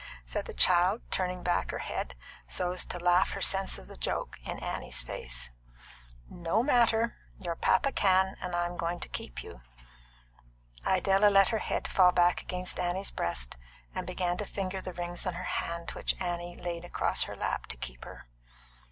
said the child, turning back her head, so as to laugh her sense of the joke in Annie's face. "No matter; your papa can, and I'm going to keep you." Idella let her head fall back against Annie's breast, and began to finger the rings on the hand which Annie laid across her lap to keep her.